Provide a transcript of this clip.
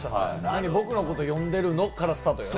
僕のことを呼んでるの？からスタートだよね。